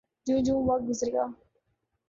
جوں جوں وقت گزرے گا۔